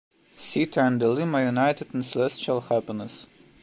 Sita and Alim are united in celestial happiness.